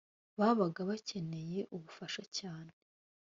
babaga bakeneye ubufasha cyane.